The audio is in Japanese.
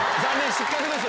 失格です。